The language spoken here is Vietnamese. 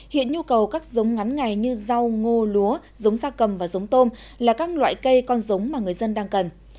hiện nhu cầu các giống ngắn ngày như rau ngô lúa giống gia cầm và giống tôm là các loại cây con giống mà người dân đang cần